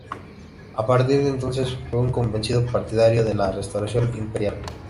A partir de entonces fue un convencido partidario de la restauración imperial.